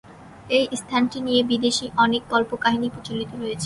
এই স্থানটি নিয়ে বিদেশী অনেক কল্পকাহিনী প্রচলিত রয়েছে।